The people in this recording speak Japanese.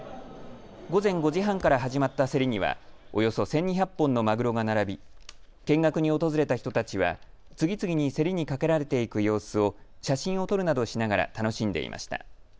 午前５時半から始まった競りにはおよそ１２００本のマグロが並び見学に訪れた人たちは次々に競りにかけられていく様子を写真を撮るなどしながら楽しんでいました。